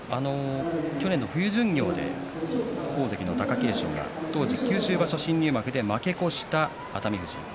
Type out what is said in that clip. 去年の冬巡業で大関の貴景勝が当時九州場所、新入幕で負け越した熱海富士。